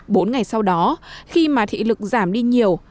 bốn ngày sau đó khi mà thị lực giảm đi nhiều